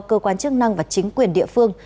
cơ quan chức năng và chính quyền địa phương